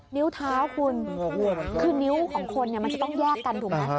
นิ้วเท้าคุณคือนิ้วของคนมันจะต้องแยกกันถูกไหม